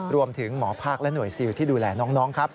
รวมถึงหมอภาคและหน่วยซิลที่ดูแลน้องครับ